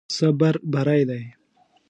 صبر بری دی.